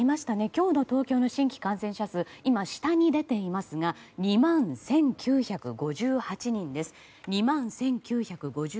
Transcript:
今日の東京の新規感染者数は今、下に出ていますが２万１９５８人です。